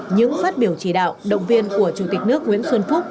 những phát biểu chỉ đạo động viên của chủ tịch nước nguyễn xuân phúc